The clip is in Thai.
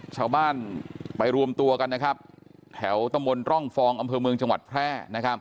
ชาวบ้านไปรวมตัวกันนะครับแถวตะมนต์ร่องฟองอำเภอเมืองจังหวัดแพร่